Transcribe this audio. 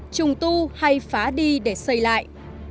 trùng tu hay phá đi để xây lại